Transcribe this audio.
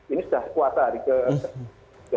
ini sudah puasa hari ke sepuluh